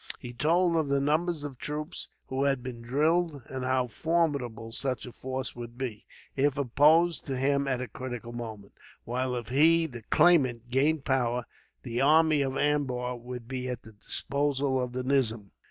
He told of the numbers of troops who had been drilled, and how formidable such a force would be, if opposed to him at a critical moment; while if he, the claimant, gained power, the army of Ambur would be at the disposal of the nizam.